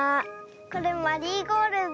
これマリーゴールド。